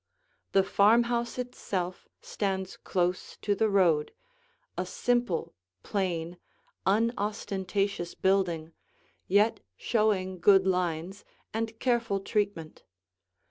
The farmhouse itself stands close to the road, a simple, plain, unostentatious building, yet showing good lines and careful treatment.